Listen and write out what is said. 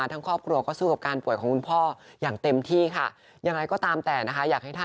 ชอบเที่ยวอะไรเหมือนกันมากกว่า